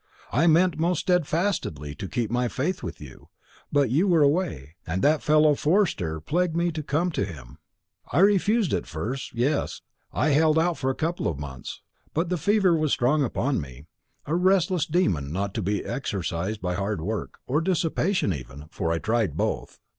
I meant most steadfastly to keep my faith with you; but you were away, and that fellow Forster plagued me to come to him. I refused at first yes, I held out for a couple of months; but the fever was strong upon me a restless demon not to be exorcised by hard work, or dissipation even, for I tried both.